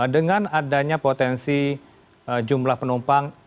dengan adanya potensi jumlah penumpang